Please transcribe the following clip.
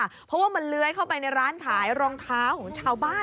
เพราะว่ามันเลื้อยเข้าไปในร้านขายรองเท้าของชาวบ้าน